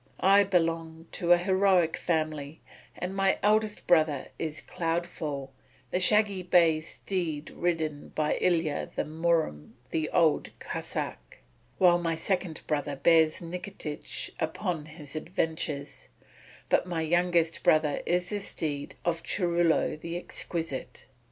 I belong to a heroic family, and my eldest brother is Cloudfall, the shaggy bay steed ridden by Ilya of Murom the Old Cossáck, while my second brother bears Nikitich upon his adventures, but my youngest brother is the steed of Churilo the Exquisite."